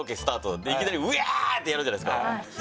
いきなり「ウェーイ！」ってやるじゃないですか。